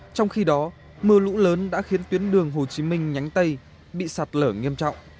trong khi đó mưa lũ lớn đã khiến tuyến đường hồ chí minh nhánh tây bị sạt lở nghiêm trọng